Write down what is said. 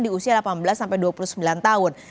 di usia delapan belas sampai dua puluh sembilan tahun